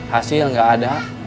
hasil gak ada